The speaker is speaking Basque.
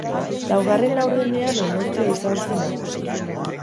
Laugarren laurdenean emozioa izan zen nagusi.